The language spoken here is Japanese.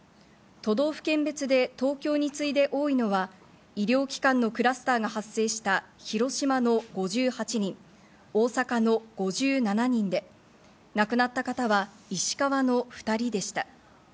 都道府県別で東京に次いで多いのは、医療機関のクラスターが発生した広島の５８人、大阪の５７人で、亡くなった方は石川の２人でした。